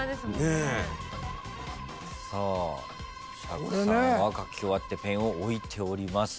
さあ釈さんは書き終わってペンを置いております。